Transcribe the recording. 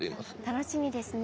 楽しみですね。